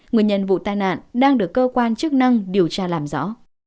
nguyên nhân vụ tai nạn đang được cơ quan chức năng điều tra làm rõ